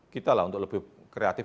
kita lah untuk lebih kreatif